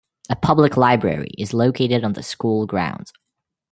A public library is located on the school grounds.